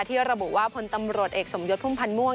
ที่ระบุว่าพลตำรวจเอกสมยศพุ่มพันธ์ม่วง